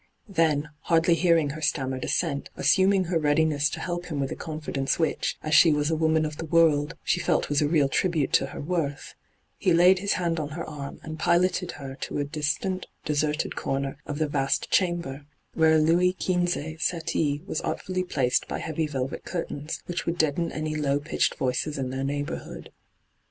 Then, hardly hearing her stammered assent, assuming her readiness to help him with a confidence which, as she was a woman of the world, she felt was a real tiihute to her worth, he laid his hand on her arm, and piloted her to a distant, deserted comer of the vast chamber, where a Louis Quinze settee was artfully placed by heavy velvet curtains, which would deaden any low pitched voices in their neighbourhood.